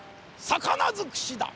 「魚づくし」だ。